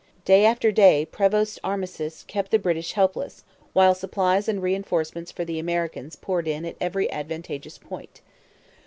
Day after day Prevost's armistice kept the British helpless, while supplies and reinforcements for the Americans poured in at every advantageous point.